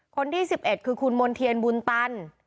คนที่๑๑คือคุณมณ์เทียนบุญตัน